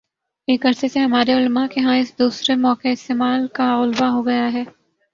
ایک عرصے سے ہمارے علما کے ہاں اس دوسرے موقعِ استعمال کا غلبہ ہو گیا ہے